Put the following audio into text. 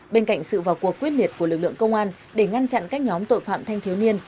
bên cạnh sự vào cuộc quyết liệt của lực lượng công an để ngăn chặn các nhóm tội phạm thanh thiếu niên